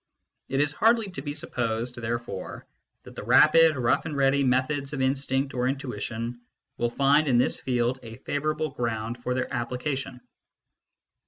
It is hardly to be supposed, therefore, that the rapid, rough and ready methods of instinct or intuition will find in this field a favourable ground for their application.